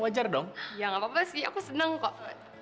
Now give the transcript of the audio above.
wajar dong ya gak apa apa sih aku senang kok